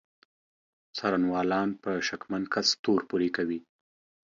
څارنوالان په شکمن کس تور پورې کوي.